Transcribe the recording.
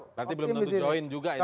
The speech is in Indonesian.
berarti belum tentu join juga ya